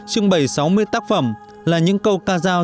trưng bày sáu mươi tác phẩm là những câu ca giao